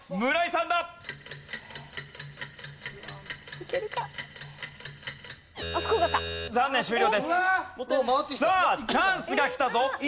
さあチャンスがきたぞ。